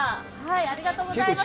ありがとうございます。